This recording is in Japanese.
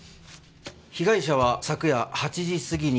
被害者は昨夜８時過ぎに帰宅。